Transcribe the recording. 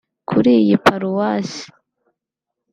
Kuri iyi Paroisse